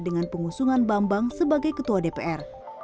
dengan pengusungan bambang sebagai ketua dpr